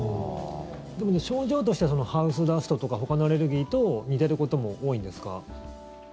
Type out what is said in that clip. でも、症状としてはハウスダストとかほかのアレルギーと似てることも多いんですか。